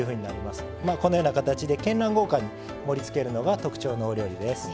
このような形でけんらん豪華に盛りつけるのが特徴のお料理です。